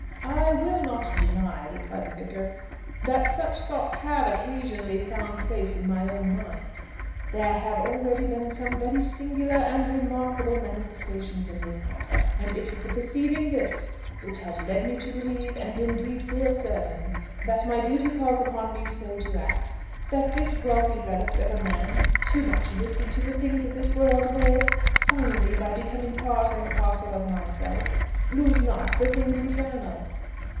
"I will not deny," replied the vicar, "that such thoughts have occasionally found place in my own mind. There have already been some very singular and remarkable manifestations in this matter; and it is the perceiving this, which has led me to believe, and indeed feel certain, that my duty calls upon me so to act, that this wealthy relict of a man too much addicted to the things of this world may, finally by becoming part and parcel of myself, lose not the things eternal."